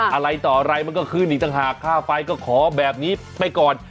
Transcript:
อะไรต่ออะไรมันก็ขึ้นอีกต่างหากค่าไฟก็ขอแบบนี้ไปก่อน